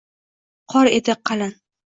Qor edi qalin.